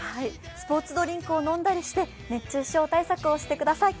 スポーツドリンクを飲んだりして熱中症対策をしてください。